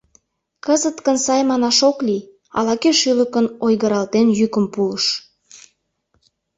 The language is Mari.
Кызыт гын сай манаш ок лий, — ала-кӧ шӱлыкын ойгыралтен йӱкым пуыш.